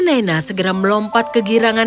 nena segera melompat ke girangan